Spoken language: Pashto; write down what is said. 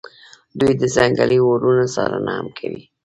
دوی د ځنګلي اورونو څارنه هم کوي